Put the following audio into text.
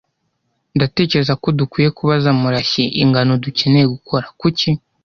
Ndatekereza ko dukwiye kubaza Murashyi ingano dukeneye gukora kuki.